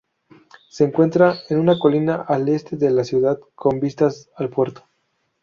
Se encuentra en una colina al este de la ciudad con vistas al puerto.